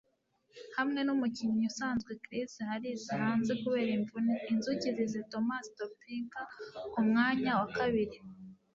Hamwe numukinnyi usanzwe Chris Harris hanze kubera imvune, Inzuki zise Tomas Topinka kumwanya wa kabiri.